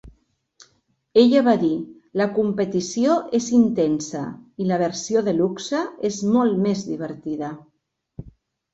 Ella va dir "la competició és intensa" i la versió deluxe "és molt més divertida.